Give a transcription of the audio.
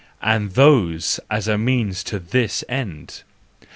And those as a means to this end